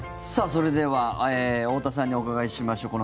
それでは、太田さんにお伺いしましょう。